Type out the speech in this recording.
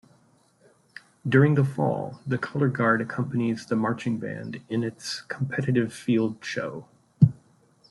During the fall, the colorguard accompanies the marching band in its competitive field show.